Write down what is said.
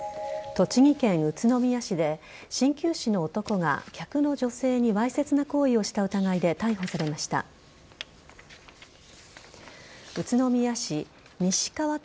栃木県宇都宮市で鍼灸師の男が客の女性にわいせつな行為をした疑いで逮捕されました。